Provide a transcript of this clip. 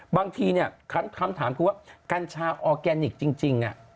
บางทีเนี่ยคำถามคือว่ากัญชาออร์แกนิคจริง